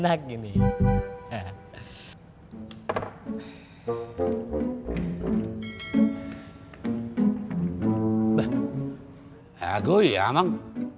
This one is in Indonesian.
bah ya gue ya emang